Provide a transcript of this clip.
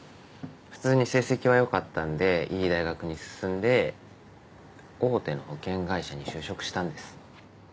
普通に成績は良かったんでいい大学に進んで大手の保険会社に就職したんです。